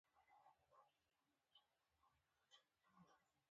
له کمپاینونو، آنلاین خرڅلاو او نورو لارو یې مومي.